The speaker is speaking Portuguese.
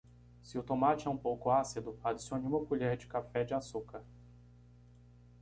Se o tomate é um pouco ácido, adicione uma colher de café de açúcar.